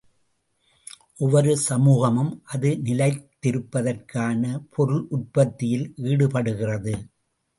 ஒவ்வொரு சமூகமும் அது நிலைத்திருப்பதற்கான பொருளுற்பத்தியில் ஈடுபடுகிறது.